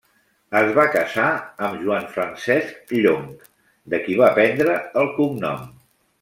Es va casar amb Joan Francesc Llong, de qui va prendre el cognom.